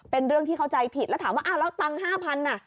เป็นเรื่องที่เข้าใจผิดแล้วถามว่าอ้าวแล้วตังค์๕๐๐บาท